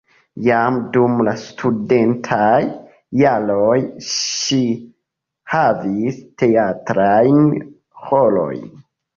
Jam dum la studentaj jaroj ŝi havis teatrajn rolojn.